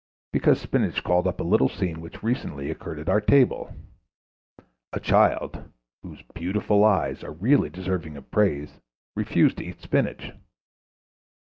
Because spinach called up a little scene which recently occurred at our table. A child, whose beautiful eyes are really deserving of praise, refused to eat spinach.